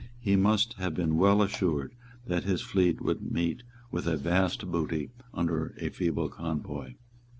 He must have been well assured that his fleet would meet with a vast booty under a feeble convoy.